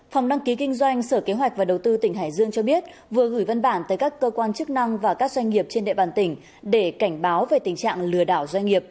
hãy đăng ký kênh để ủng hộ kênh của chúng mình nhé